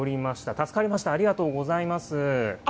助かりました、ありがとうございます。